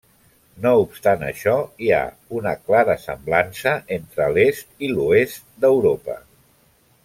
No obstant això, hi ha una clara semblança entre l'est i l'oest d'Europa.